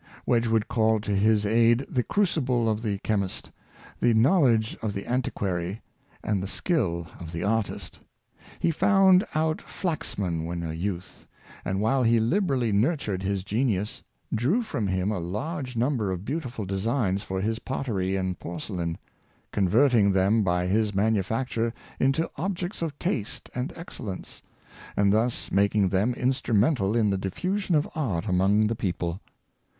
V/edgwood called to his aid the crucible of the chem ist, the knowledge of the antiquary, and the skill of the artist. He found out Flaxman when a youth, and while he liberally nurtured his genius, drew from him a large number of beautiful designs for his pottery and porce lain; converting them by his manufacture into objects of taste and excellence, and thus making them instrumen tal in the diffiision of art among the people.